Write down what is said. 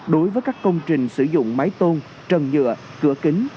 đối với các công trình sử dụng máy tôn trần nhựa cửa kính